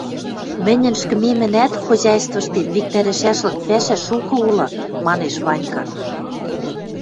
Мӹньӹн ӹшкӹмемӹнӓт хозяйствыштем виктӓрӹшӓшлык пӓшӓ шукы улы, — манеш Ванька.